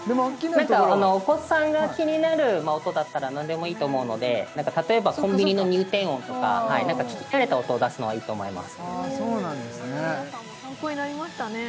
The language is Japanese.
お子さんが気になる音だったら何でもいいと思うので例えばコンビニの入店音とか何か聞き慣れた音を出すのはいいと思いますそうなんですね